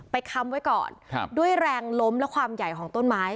ค้ำไว้ก่อนด้วยแรงล้มและความใหญ่ของต้นไม้